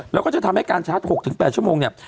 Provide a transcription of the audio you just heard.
แล้วก็จะทำให้การชาร์จ๖๘ชั่วโมงเนี่ย